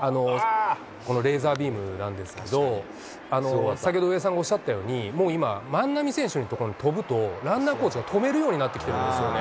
このレーザービームなんですけど、先ほど上田さんがおっしゃったように、もう今、万波選手の所に飛ぶと、ランナーコーチが止めるようになってきてるんですよね。